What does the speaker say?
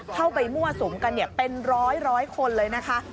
เข้าไปมั่วสุมกันเนี่ยเป็นร้อยร้อยคนเลยนะคะ